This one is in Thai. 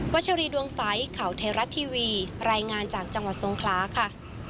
ชัรีดวงใสข่าวไทยรัฐทีวีรายงานจากจังหวัดทรงคลาค่ะ